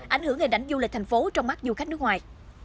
ảnh hưởng hệ đảnh du lịch thành phố trong mắt du khách nước ngoài